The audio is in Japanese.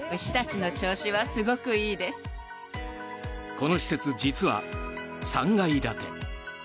この施設、実は３階建て。